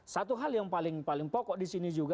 satu hal yang paling paling pokok disini juga